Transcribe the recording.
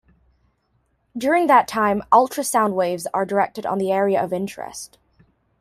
During that time, ultrasound waves are directed on the area of interest.